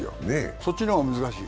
そっちの方が難しい。